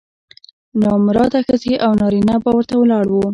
نامراده ښځې او نارینه به ورته ولاړ وو.